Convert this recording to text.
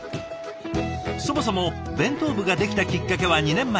そもそも弁当部ができたきっかけは２年前。